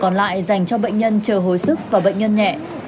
còn lại dành cho bệnh nhân chờ hồi sức và bệnh nhân nhẹ